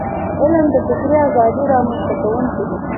علم د فکري ازادی رامنځته کونکی دی.